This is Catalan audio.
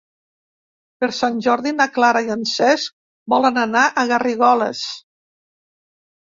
Per Sant Jordi na Clara i en Cesc volen anar a Garrigoles.